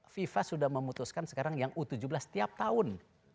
fifa sudah memutuskan sekarang yang u tujuh belas setiap tahun